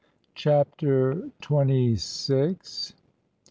CHAPTER TWENTY SIX.